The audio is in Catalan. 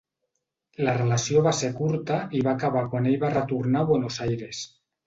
La relació va ser curta i va acabar quan ell va retornar a Buenos Aires.